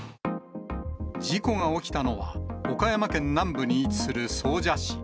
事故が起きたのは、岡山県南部に位置する総社市。